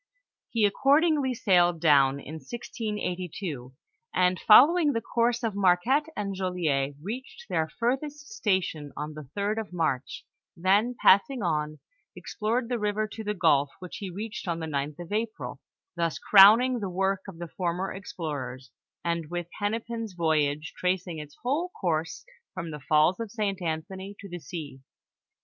He accordingly sailed down in 1682, and following the course of Marquette and Joliet, reached their furthest station on the 3d of March, then passing on, explored the river to the gulf, which he reached on the 9lh of April, thus crowning the work of the former explorers, and with Hennepin's voyage, tracing its whole course from the falls of St Anthony to the sea.